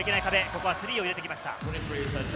ここはスリーを入れてきました。